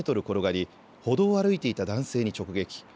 転がり歩道を歩いていた男性に直撃。